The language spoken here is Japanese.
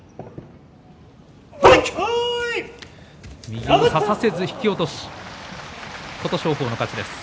右を差させず引き落とし琴勝峰の勝ちです。